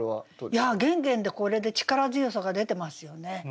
いや「ゲンゲン」でこれで力強さが出てますよね。